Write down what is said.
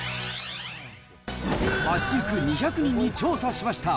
街行く２００人に調査しました。